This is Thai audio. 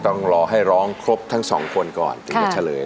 ต้องรอให้ร้องครบทั้งสองคนก่อนถึงจะเฉลย